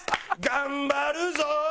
頑張るぞー！